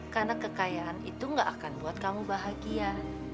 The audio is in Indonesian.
karena kekayaan itu nggak akan buat kamu bahagia